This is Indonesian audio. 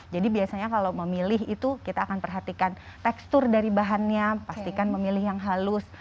jadi biasanya kalau memilih itu kita akan perhatikan tekstur dari bahannya pastikan memilih yang halus